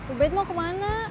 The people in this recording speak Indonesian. ubet mau kemana